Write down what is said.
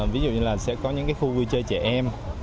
ví dụ như là sẽ có những cái khu vui chơi trẻ em